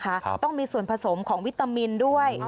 ต้องมีส่วนผสมของวิตามินด้วย